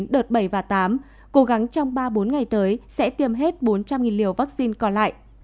đợt bảy và tám cố gắng trong ba bốn ngày tới sẽ tiêm hết bốn trăm linh liều vaccine còn lại